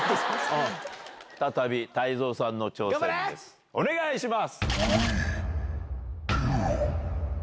再び泰造さんの挑戦です、お願いします。